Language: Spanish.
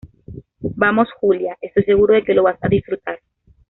vamos, Julia, estoy seguro de que lo vas a disfrutar.